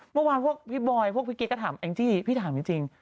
พอปี๓ก็มีแฟนสุฬิศ